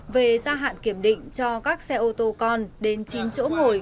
về gia hạn kiểm định cho các xe ô tô con đến chín chỗ ngồi